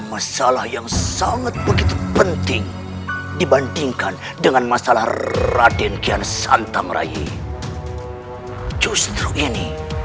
masalah yang sangat begitu penting dibandingkan dengan masalah raden kian santang raya justru ini